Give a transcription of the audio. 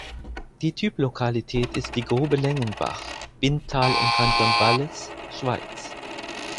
Die Typlokalität ist die Grube Lengenbach, Binntal im Kanton Wallis, Schweiz.